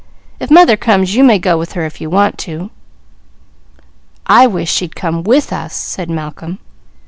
If mother comes you may go with her if you want to." "I wish she'd come with us!" said Malcolm.